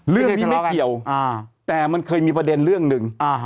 เรื่องนี้ไม่เกี่ยวแต่มันเคยมีประเด็นเรื่องหนึ่ง